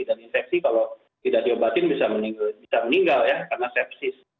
dan infeksi kalau tidak diobatin bisa meninggal ya karena sepsis